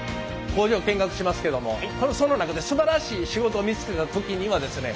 工場を見学しますけどもその中ですばらしい仕事を見つけた時にはですね